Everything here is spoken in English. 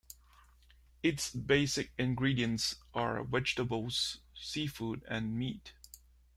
Its basic ingredients are vegetables, seafood and meat.